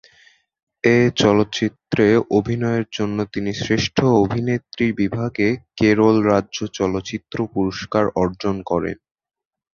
এই চলচ্চিত্রে অভিনয়ের জন্য তিনি শ্রেষ্ঠ অভিনেত্রী বিভাগে কেরল রাজ্য চলচ্চিত্র পুরস্কার অর্জন করেন।